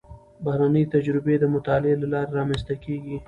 بهرنۍ تجربې د مطالعې له لارې رامنځته کېږي.